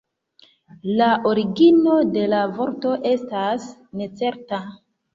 La origino de la vorto estas necerta.